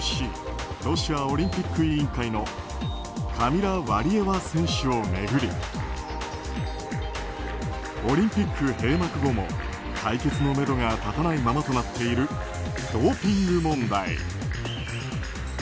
ＲＯＣ・ロシアオリンピック委員会のカミラ・ワリエワ選手を巡りオリンピック閉幕後も解決のめどが立たないままとなっているドーピング問題。